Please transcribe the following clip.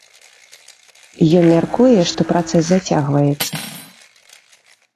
Ён мяркуе, што працэс зацягваецца.